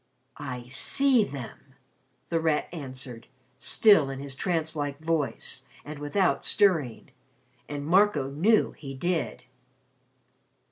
"I see them," The Rat answered, still in his trance like voice and without stirring, and Marco knew he did.